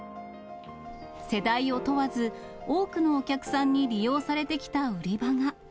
世代を問わず、多くのお客さんに利用されてきた売り場が。